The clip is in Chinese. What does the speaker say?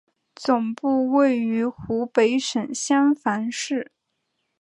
总部位于湖北省襄樊市。